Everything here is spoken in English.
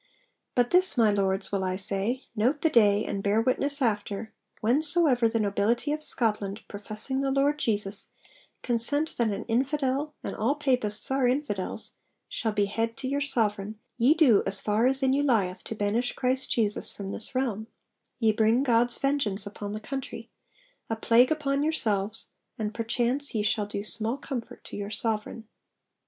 But this, my Lords, will I say note the day, and bear witness after whensoever the nobility of Scotland, professing the Lord Jesus, consent that an infidel (and all Papists are infidels) shall be head to your Sovereign, ye do as far as in you lieth to banish Christ Jesus from this realm; ye bring God's vengeance upon the country, a plague upon yourselves, and perchance ye shall do small comfort to your Sovereign.'